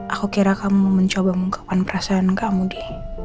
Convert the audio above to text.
aku kira kamu mencoba mengungkapkan perasaan kamu deh